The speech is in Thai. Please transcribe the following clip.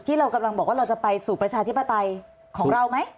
เรากำลังบอกว่าเราจะไปสู่ประชาธิปไตยของเราไหม